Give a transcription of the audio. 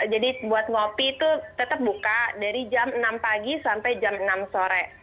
jadi buat ngopi itu tetap buka dari jam enam pagi sampai jam enam sore